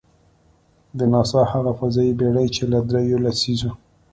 د ناسا هغه فضايي بېړۍ، چې له درېیو لسیزو .